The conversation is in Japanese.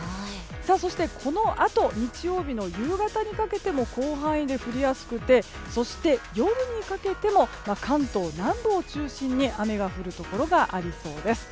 そして、このあと日曜日の夕方にかけても広範囲で降りやすくて夜にかけても関東南部を中心に雨が降るところがありそうです。